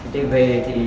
thì về thì